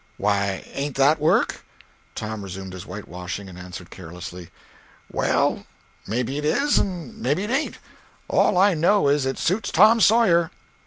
"Why, ain't that work?" Tom resumed his whitewashing, and answered carelessly: "Well, maybe it is, and maybe it ain't. All I know, is, it suits Tom Sawyer."